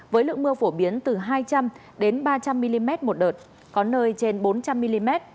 với lượng mưa phổ biến từ hai trăm linh ba trăm linh mm một đợt có nơi trên bốn trăm linh mm